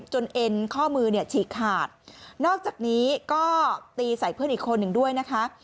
เอ็นข้อมือเนี่ยฉีกขาดนอกจากนี้ก็ตีใส่เพื่อนอีกคนหนึ่งด้วยนะคะ